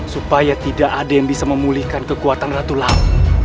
supaya tidak ada yang bisa memulihkan kekuatan ratu lalu